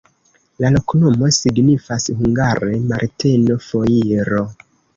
La loknomo signifas hungare: Marteno-foiro.